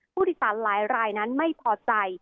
ผู้โดยสารหลายรายนั้นไม่พอใจ